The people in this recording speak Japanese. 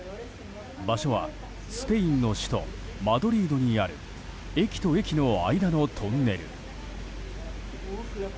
場所はスペインの首都マドリードにある駅と駅の間のトンネル。